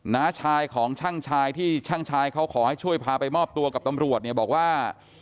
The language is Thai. น้าชายของช่างชายที่ช่างชายเขาขอให้ช่วยพาไปมอบตัวกับตำรวจเนี่ยบอกว่า